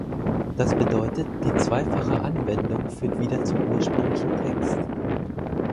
Das bedeutet, die zweifache Anwendung führt wieder zum ursprünglichen Text.